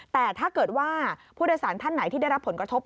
แต่ถ้าเกิดว่าผู้โดยสารท่านไหนที่ได้รับผลกระทบ